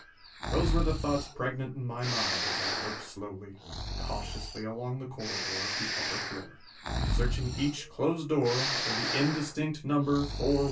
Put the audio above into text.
Those were the thoughts pregnant in my mind as I groped slowly, cautiously along the corridor of the upper floor, searching each closed door for the indistinct number 4167.